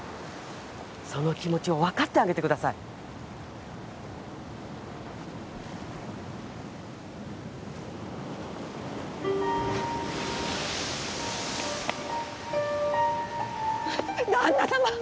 その気持ちを分かってあげてください旦那さま！